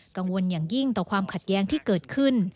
กังวลอย่างยิ่งต่อความขัดแย้งที่เกิดขึ้น